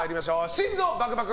心臓バクバク！